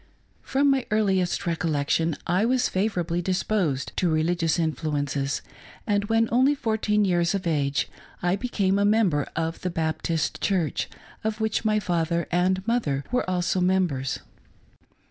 From my earliest recollection I was favorably disposed to religious influences, and when only fourteen years of age I became a member of the Baptist Church, of which my father and mother were also members.